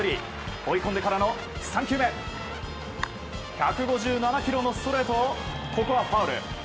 追い込んでからの３球目１５７キロのストレートをここはファウル。